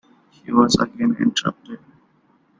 She was again interrupted.